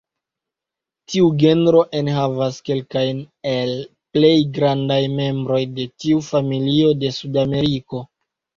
Tiu genro enhavas kelkajn el plej grandaj membroj de tiu familio de Sudameriko.